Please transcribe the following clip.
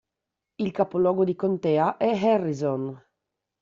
Il capoluogo di contea è Harrison.